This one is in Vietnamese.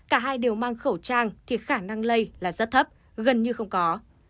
cả hai đều mang khẩu trang thì khả năng lây là rất thấp gần như không có